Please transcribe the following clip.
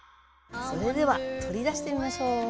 それでは取り出してみましょう。